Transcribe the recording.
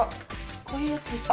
こういうやつですよ